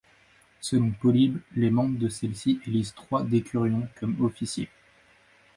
Selon Polybe, les membres de celle-ci élisent trois décurions comme officiers.